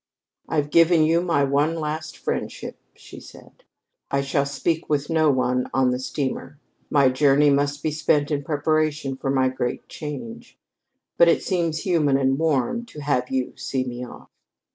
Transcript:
"I've given you my one last friendship," she said. "I shall speak with no one on the steamer. My journey must be spent in preparation for my great change. But it seems human and warm to have you see me off."